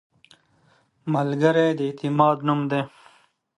ملګری د اعتماد نوم دی